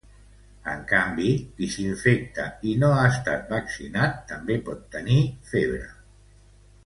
En canvi, qui s’infecta i no ha estat vaccinat també pot tenir febre.